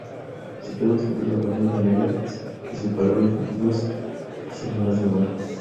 Situados sobre en la banda de arena que separa las antiguas salinas del mar.